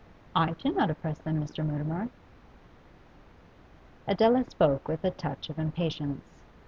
'I do not oppress them, Mr. Mutimer.' Adela spoke with a touch of impatience.